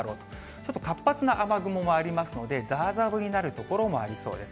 ちょっと活発な雨雲がありますので、ざーざー降りになる所もありそうです。